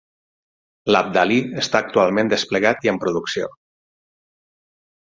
L'Abdali està actualment desplegat i en producció.